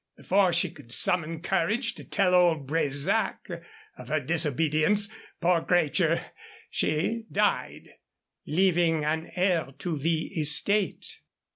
Before she could summon courage to tell old Bresac of her disobedience, poor cratur, she died." "Leaving an heir to the estate."